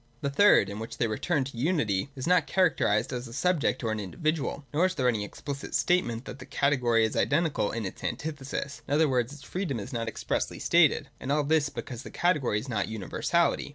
The third, in which they return to unity, is not characterised as a subject or an indi vidual : nor is there any explicit statement that the cate gory is identical in its antithesis, in other wonls, its i62, 163.] SUBJECTIVE NOTION. 291 freedom is not expressly stated : and all this because the category is not universality.